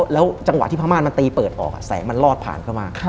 แล้วจังหวะที่พระม่านมันตีเปิดออกแสงมันลอดผ่านเข้ามา